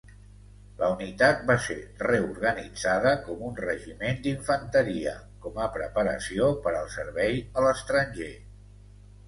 La unitat va ser reorganitzada com un regiment d'infanteria com a preparació per al servei a l'estranger.